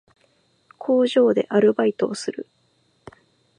工場でアルバイトをする